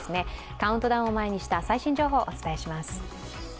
カウントダウンを前にした最新情報をお伝えします。